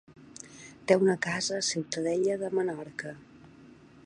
Té una casa a Ciutadella de Menorca.